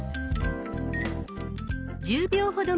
１０秒ほど待ち